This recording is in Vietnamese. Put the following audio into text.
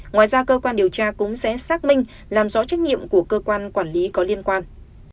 ngoài ra cơ quan điều tra cũng sẽ xác minh làm rõ trách nhiệm của cơ quan quản lý có liên quan